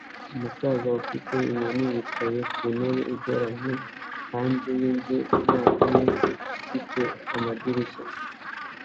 Umusaza ufite inkoni yicaye ku ntebe igoramye hanze yinzu yanduye ifite amadirishya